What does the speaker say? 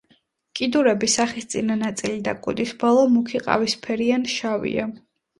კიდურები, სახის წინა ნაწილი და კუდის ბოლო მუქი ყავისფერი ან შავია.